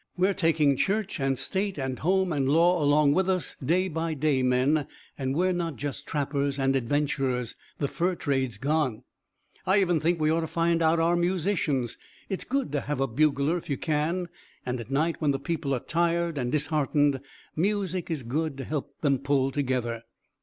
We're taking church and state and home and law along with us, day by day, men, and we're not just trappers and adventurers. The fur trade's gone. "I even think we ought to find out our musicians it's good to have a bugler, if you can. And at night, when the people are tired and disheartened, music is good to help them pull together."